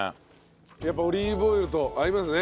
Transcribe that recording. やっぱオリーブオイルと合いますね。